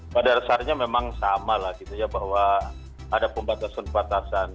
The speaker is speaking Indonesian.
pada dasarnya memang sama lah gitu ya bahwa ada pembatasan pembatasan